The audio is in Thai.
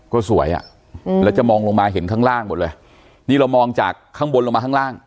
ก็สวยอ่ะอืมแล้วจะมองลงมาเห็นข้างล่างหมดเลยนี่เรามองจากข้างบนลงมาข้างล่าง